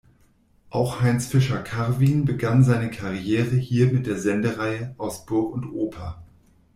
Auch Heinz Fischer-Karwin begann seine Karriere hier mit der Sendereihe "Aus Burg und Oper".